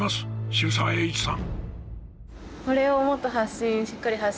渋沢栄一さん！